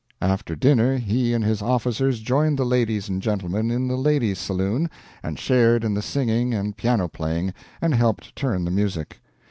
After dinner he and his officers joined the ladies and gentlemen in the ladies' saloon, and shared in the singing and piano playing, and helped turn the music.